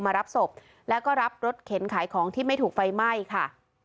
รับศพแล้วก็รับรถเข็นขายของที่ไม่ถูกไฟไหม้ค่ะ